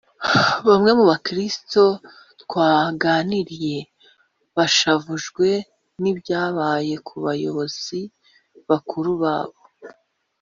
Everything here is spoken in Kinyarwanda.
Bamwe mu bakristo twaganiriye bashavujwe n’ibyabaye ku bayobozi bakuru babo